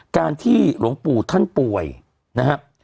การที่หลวงปู่ท่านป่วยนะครับ